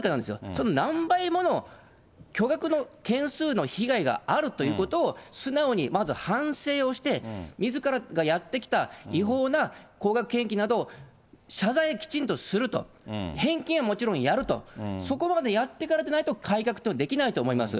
その何倍もの巨額の件数の被害があるということを素直にまず反省をして、みずからがやってきた違法な高額献金などを謝罪をきちんとすると、返金ももちろんやると、そこまでやってからでないと改革というのはできないと思います。